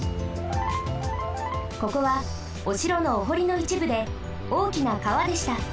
ここはおしろのおほりのいちぶでおおきなかわでした。